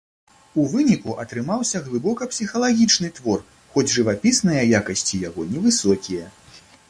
У выніку атрымаўся глыбока псіхалагічны твор, хоць жывапісныя якасці яго невысокія.